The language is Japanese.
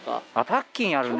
パッキンやるね。